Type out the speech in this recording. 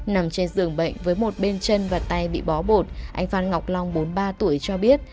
nằm trên giường bệnh với một bên chân và tay bị bó bột anh phan ngọc long bốn mươi ba tuổi cho biết